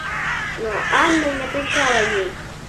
Но Анна не отвечала ей.